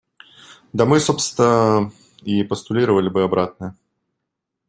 Да мы, собственно, и постулировали бы обратное.